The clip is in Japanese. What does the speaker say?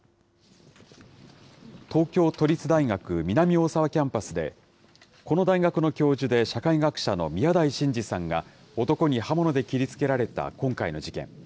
東京都立大学南大沢キャンパスで、この大学の教授で社会学者の宮台真司さんが男に刃物で切りつけられた今回の事件。